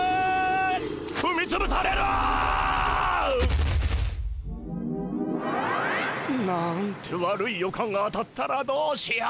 ふみつぶされる！なんて悪い予感が当たったらどうしよう。